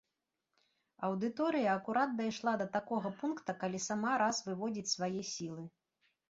Аўдыторыя акурат дайшла да такога пункта, калі сама раз выводзіць свае сілы.